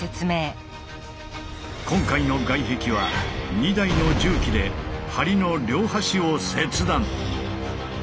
今回の外壁は２台の重機で梁の両端を切断。